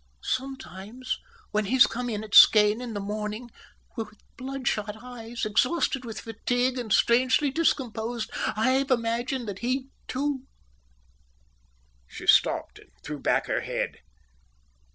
"Sometimes, when he's come in at Skene in the morning, with bloodshot eyes, exhausted with fatigue and strangely discomposed, I've imagined that he too …" She stopped and threw back her head.